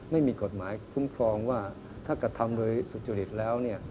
ไม่มีกฎหมายคุ้มครองว่าถ้ากระทำโดยสุจริตแล้ว